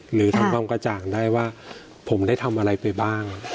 หรือทำความกระจ่างได้ว่าผมได้ทำอะไรไปบ้าง